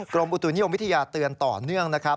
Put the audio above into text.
กรมอุตุนิยมวิทยาเตือนต่อเนื่องนะครับ